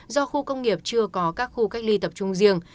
do khu công nghiệp chưa có các khu cách ly tập trung riêng